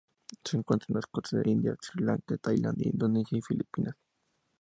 Se encuentran en las costas de India, Sri Lanka, Tailandia, Indonesia y Filipinas.